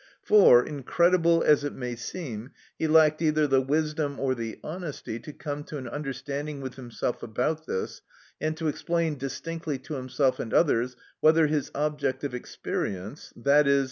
For, incredible as it may seem, he lacked either the wisdom or the honesty to come to an understanding with himself about this, and to explain distinctly to himself and others whether his "object of experience, _i.e.